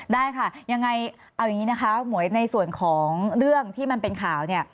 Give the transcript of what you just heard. ได้ค่ะยังไงเอาอย่างนี้นะคะหมวยในส่วนของเรื่องที่มันเป็นข่าวเนี่ย